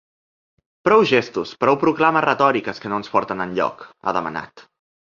Prou gestos, prou proclames retòriques que no ens porten enlloc, ha demanat.